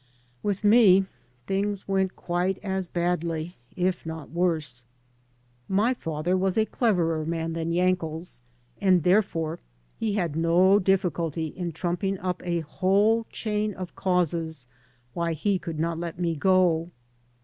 With me things went quite as badly, if not worse. My father was a cleverer man than Yankel's, and therefore he had no difficulty in trumping up a whole chain of causes why he could not let me go.